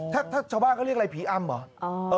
ถ้าชาวบ้านเขาเรียกอะไรผีอำเหรอ